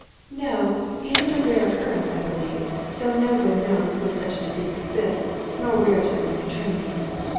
"No. It is of rare occurrence, I believe. Though no one knows when such a disease exists, nor where it is going to terminate.